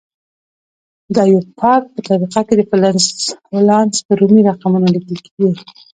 د ایوپاک په طریقه د فلز ولانس په رومي رقمونو لیکل کیږي.